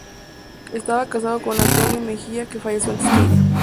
Estaba casada con Antonio Mejía, que falleció antes que ella.